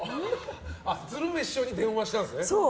鶴瓶師匠に電話したんですね。